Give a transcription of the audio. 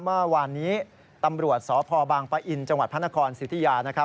เมื่อวานนี้ตำรวจสพปะอินจังหวัดพนธศิษยา